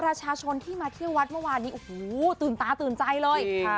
ประชาชนที่มาเที่ยววัดเมื่อวานนี้โอ้โหตื่นตาตื่นใจเลยค่ะ